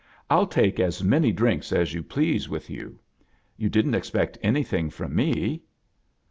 Fll take as many drinks as you please inth you. You didn't expect anything from me?"